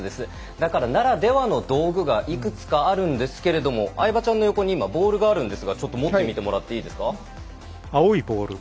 だから、ならではの道具がいくつかあるんですけれども相葉ちゃんの横に今、ボールがあるんですが持って見てもらっていいですか。